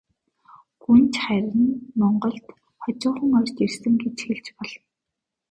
Гүнж харин монголд хожуухан орж ирсэн гэж хэлж болно.